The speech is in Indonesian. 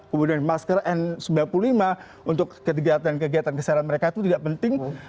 kemudian masker n sembilan puluh lima untuk kegiatan kegiatan kesehatan mereka itu tidak penting